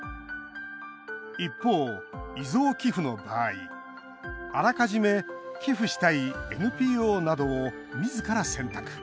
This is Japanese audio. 一方、遺贈寄付の場合あらかじめ寄付したいＮＰＯなどをみずから選択。